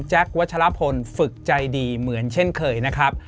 วัชลพลฝึกใจดีเหมือนเช่นเคยนะครับ